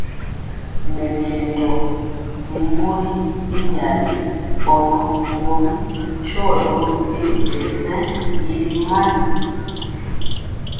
Mɛnjéndɔ mi mori y miali bɔnɔ ŋguomi sho ndori wiɛɛ bɛ shen yili mali.